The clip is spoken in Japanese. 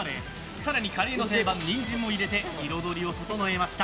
更にカレーの定番ニンジンも入れて彩りを整えました。